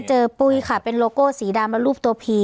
จะเจอปุ๊บค่ะเป็นโลโก้สีดำและรูปตัวพี